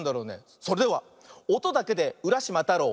それでは「おとだけでうらしまたろう」